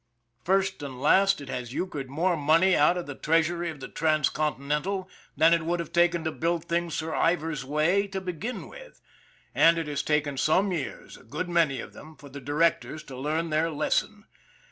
First and last, it has euchred more money out of the treasury of the Transcontinental than it would have taken to build things Sir Ivers' way to begin with ; and it has taken some years, a good many of them, for the directors to learn their lesson.